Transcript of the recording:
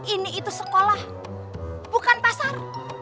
ini itu sekolah bukan pasar